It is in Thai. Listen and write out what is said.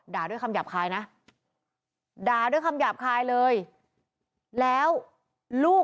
ด่าด้วยคำหยาบคายนะด่าด้วยคำหยาบคายเลย